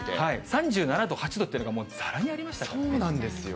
３７度、８度っていうのがざらにそうなんですよ。